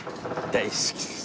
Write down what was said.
大好きです。